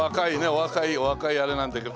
お若いお若いあれなんだけど。